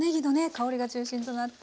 香りが中心となって。